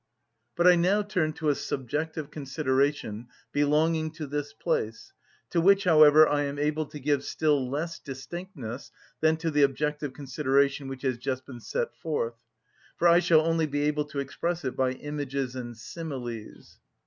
But I now turn to a subjective consideration belonging to this place, to which, however, I am able to give still less distinctness than to the objective consideration which has just been set forth; for I shall only be able to express it by images and similes.